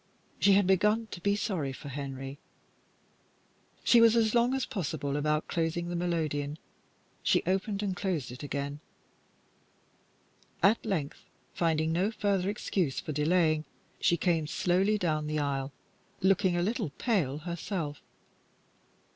She had begun to be sorry for Henry. She was as long as possible about closing the melodeon. She opened and closed it again. At length, finding no further excuse for delaying, she came slowly down the aisle, looking a little pale herself.